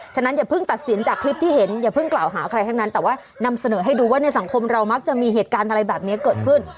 ฉะนั้นอย่าเพิ่งตัดสินจากคลิปที่เห็นอย่าเพิ่งกล่าวหาใครทั้งนั้นแต่ว่านำเสนอให้ดูว่าในสังคมเรามักจะมีเหตุการณ์อะไรแบบนี้เกิดขึ้น